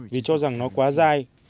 vì cho rằng nó quá dai